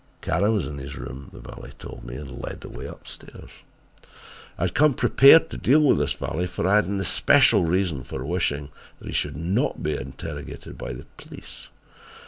Kara was in his room, the valet told me, and led the way upstairs. I had come prepared to deal with this valet for I had an especial reason for wishing that he should not be interrogated by the police.